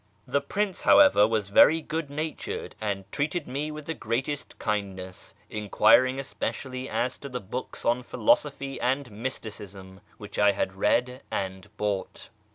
The Prince, however, was very good natured, and treated me with the greatest kindness, enquiring especially as to the books on philosophy and mysticism which I had read and bought.